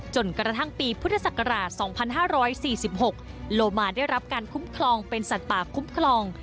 จนกระทั่งปีพุทธศักราช๒๕๔๖โลมาได้รับการคุ้มครองเป็นสัตว์ป่าคุ้มครอง